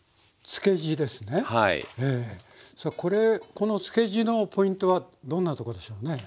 この漬け地のポイントはどんなとこでしょうね？